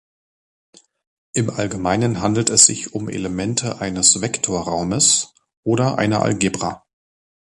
Im Allgemeinen handelt es sich um Elemente eines Vektorraumes oder einer Algebra.